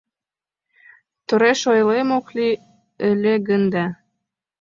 Торешйолем ок лий ыле гын да